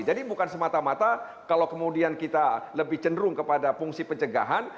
jadi bukan semata mata kalau kemudian kita lebih cenderung kepada fungsi pencegahan